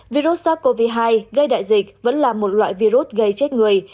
virus sars cov hai gây đại dịch vẫn là một loại virus gây chết người